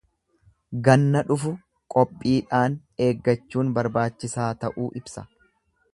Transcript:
Ganna dhufu qophiidhaan eeggachuun barbaachisaa ta'uu ibsa.